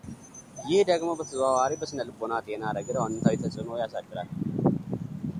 ይህ ደግሞ በተዘዋዋሪ በሥነ ልቦና ጤና ረገድ አውንታዊ ተጽእኖ ያሳድራል።